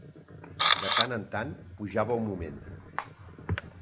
De tan en tan, pujava un moment